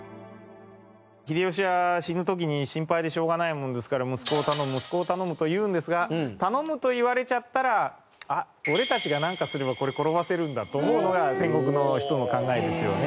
秀吉は死ぬ時に心配でしょうがないものですから「息子を頼む息子を頼む」と言うんですが頼むと言われちゃったら俺たちがなんかすればこれ転がせるんだと思うのが戦国の人の考えですよね。